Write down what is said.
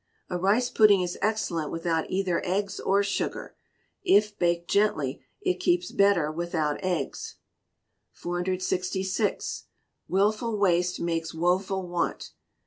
A rice pudding is excellent without either eggs or sugar, if baked gently: it keeps better without eggs. 466. "Wilful Waste makes Woeful Want."